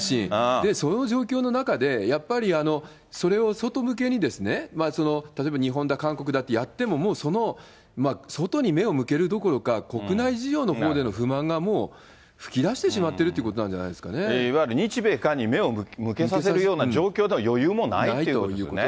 その状況の中で、やっぱりそれを外向けに、例えば日本だ、韓国だってやっても、もうその外に目を向けるどころか、国内事情のほうでの不満がもうふきだしてしまってるということないわゆる日米韓に目を向けさせるような状況とか余裕はないということですね。